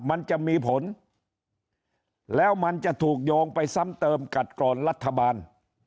มันจะมีผลแล้วมันจะถูกโยงไปซ้ำเติมกัดกรอนรัฐบาล